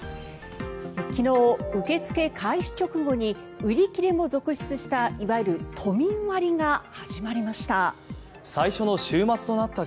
昨日、受け付け開始直後に売り切れも続出したいわゆる都民割が始まりました。